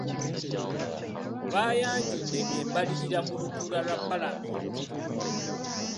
Baayanjudd embalirira mu lutuula lwa palamenti.